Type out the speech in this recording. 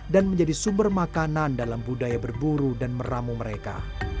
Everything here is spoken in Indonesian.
dan menjadi sumber makanan dalam budaya berburu dan meramu mereka